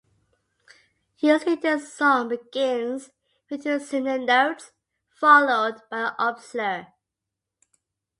Usually the song begins with two similar notes followed by an upslur.